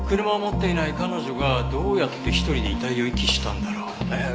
車を持っていない彼女がどうやって１人で遺体を遺棄したんだろう？